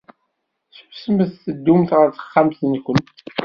Susmet, teddumt ɣer texxamt-nwent!